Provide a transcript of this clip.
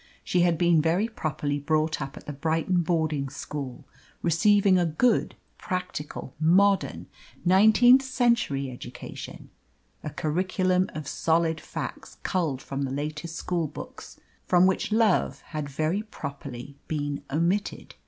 She had been very properly brought up at the Brighton Boarding School, receiving a good, practical, modern, nineteenth century education a curriculum of solid facts culled from the latest school books, from which Love had very properly been omitted.